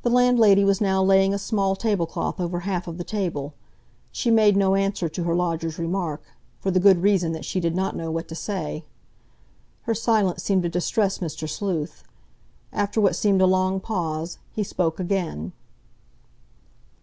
The landlady was now laying a small tablecloth over half of the table. She made no answer to her lodger's remark, for the good reason that she did not know what to say. Her silence seemed to distress Mr. Sleuth. After what seemed a long pause, he spoke again.